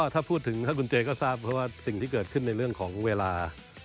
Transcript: ถ้าพูดถึงถ้าคุณเจก็ทราบเพราะว่าสิ่งที่เกิดขึ้นในเรื่องของเวลา